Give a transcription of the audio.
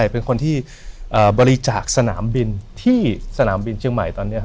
เป็นคนที่บริจาคสนามบินที่สนามบินเชียงใหม่ตอนนี้